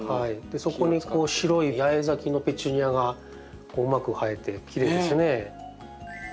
そこに白い八重咲きのペチュニアがうまく映えてきれいですね。